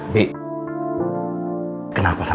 bi kenapa sama ibu